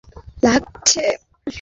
আমাকে তরুণ লাগছে।